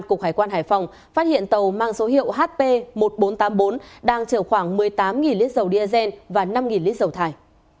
cục hải quan hải phòng phát hiện tàu mang số hiệu hp một nghìn bốn trăm tám mươi bốn đang chở khoảng một mươi tám lít dầu diesel và năm lít dầu thải